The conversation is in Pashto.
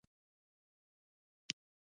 دوی په سختۍ درپسې نښتي وي چې اوښ کرایه کړه.